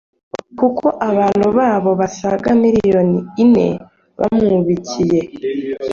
kuko abantu babo basaga mirongo ine bamwubikiye,